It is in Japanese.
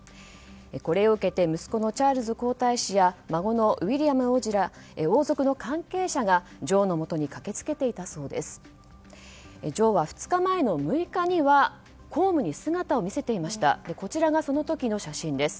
これを受けて息子のチャールズ皇太子や孫のウィリアム王子ら王族の関係者が女王のもとに駆け付けていたそうです。